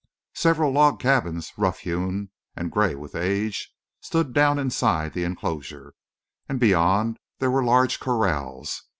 Several log cabins, rough hewn and gray with age, stood down inside the inclosure; and beyond there were large corrals.